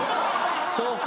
そうか。